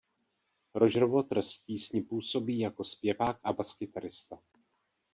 Roger Waters v písni působí jako zpěvák a baskytarista.